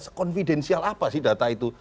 sekonfidensial apa sih data itu